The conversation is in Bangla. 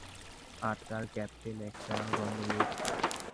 আর তার ক্যাপ্টেন একটা গণ্ডমূর্খ।